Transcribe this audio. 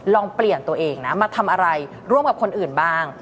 ลองเปลี่ยนตัวเองนะมาทำอะไรร่วมกับคนอื่นบ้าง